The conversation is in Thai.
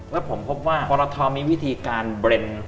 แล้วผมพบว่าปรทมีวิธีการเบรนด์